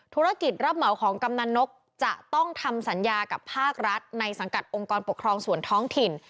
ธุรกิจรับเหมาของกำนันนกจะต้องทำสัญญากับภาครัฐในสังกัดองค์กรปกครองส่วนท้องถิ่น